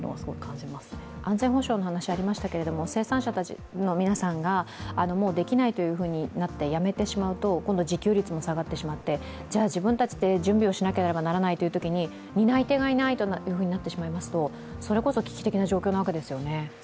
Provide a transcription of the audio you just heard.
安全保障の話がありましたが、生産者の皆さんが、もうできないというふうになってやめてしまうと今度、自給率も下がってしまって、自分たちで準備をしなければならないとなると担い手がいないとなってしまいますとそれこそ危機的状況なわけですよね。